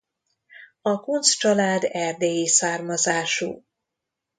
A Kuncz család erdélyi származású.